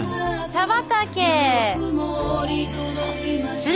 茶畑！